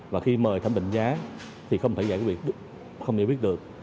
và khi mời thẩm bệnh giá thì không thể giải quyết được